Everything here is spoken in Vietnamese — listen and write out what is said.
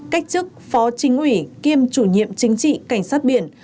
cách chức phó chính ủy kiêm chủ nhiệm chính trị cảnh sát biển